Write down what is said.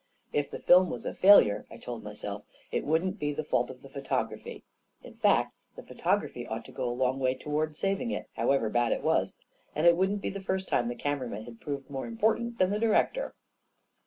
If the film was a failure, I told myself, it wouldn't be the fault of the photography. In fact, the photography ought to go a long way toward saving it, however bad it was. And it wouldn't be the first time the camera man had proved more important than the director